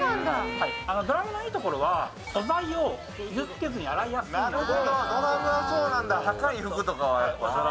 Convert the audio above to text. ドラムのいいところは素材を傷つけずに洗いやすいので。